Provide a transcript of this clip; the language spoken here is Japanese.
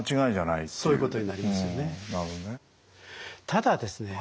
ただですね